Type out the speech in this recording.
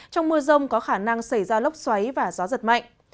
trong mưa rông có khả năng xảy ra lốc xoáy và gió giật mạnh